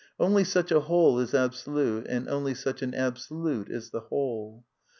Only such a Wholen' is absolute, and only such an Absolute is the whole.